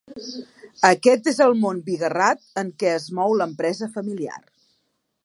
Aquest és el món bigarrat en què es mou l’empresa familiar.